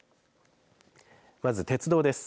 まず鉄道です。